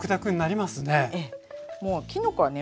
もうきのこはね